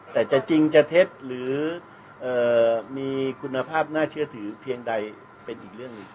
แต่จะจริงจะเท็จหรือมีคุณภาพน่าเชื่อถือเพียงใดเป็นอีกเรื่องหนึ่ง